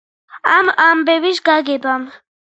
ამ ამბების გაგებამ.